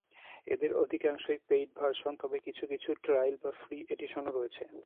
এদের অধিকাংশই paid version, তবে কিছু কিছু ট্রাইল বা ফ্রি এডিশনও রয়েছে।